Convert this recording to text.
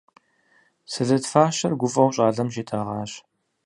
Сэлэт фащэр гуфӀэу щӀалэм щитӀэгъащ.